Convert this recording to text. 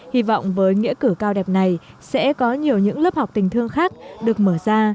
hy vọng với nghĩa cử cao đẹp này sẽ có nhiều những lớp học tình thương khác được mở ra